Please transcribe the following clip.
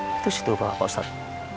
itu si tufa pak ustadz